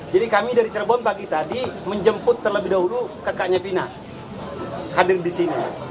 jadi kami dari cerbon pagi tadi menjemput terlebih dahulu kakaknya fina hadir di sini